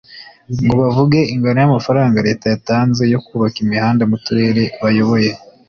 ngo bavuge ingano y’amafaranga Leta yatanze yo kubaka imihanda mu turere bayoboye